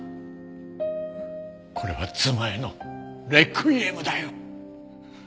これは妻へのレクイエムだよ。